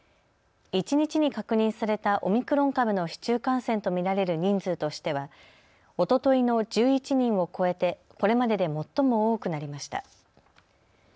一日に確認されたオミクロン株の市中感染と見られる人数としてはおとといの１１人を超えてこれまでで最も多くなりました。